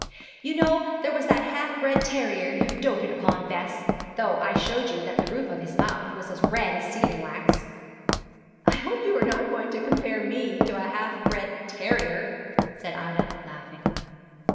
'You know there was that half bred terrier you doted upon, Bess, though I showed you that the roof of his mouth was as red as sealing wax.' 'I hope you are not going to compare me to a half bred terrier,' said Ida, laughing.